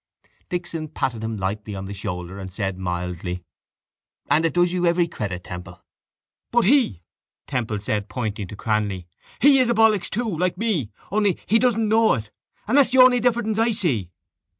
Dixon patted him lightly on the shoulder and said mildly: —And it does you every credit, Temple. —But he, Temple said, pointing to Cranly, he is a ballocks, too, like me. Only he doesn't know it. And that's the only difference I see.